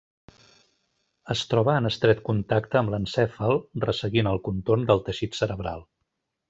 Es troba en estret contacte amb l'encèfal, resseguint el contorn del teixit cerebral.